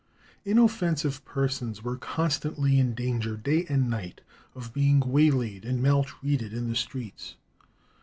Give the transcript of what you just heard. Inoffensive persons were constantly in danger, day and night, of being waylaid and maltreated in the streets.